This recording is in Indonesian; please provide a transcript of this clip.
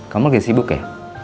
kamu lagi sibuk ya